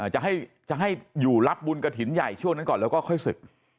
จะให้อยู่รับบุญกระถิ่นใหญ่ช่วงนั้นก่อนแล้วก็ค่อยศึก